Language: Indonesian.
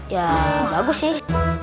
ya bagus sih